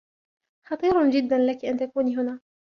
خطير جداً لكِ أن تكوني هنا.